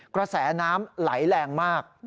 กระแสน้ำไหลแรงมาก